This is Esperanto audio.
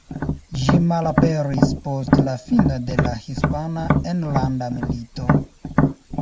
Ĝi malaperis post la fino de la Hispana Enlanda Milito.